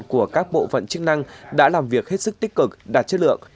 của các bộ phận chức năng đã làm việc hết sức tích cực đạt chất lượng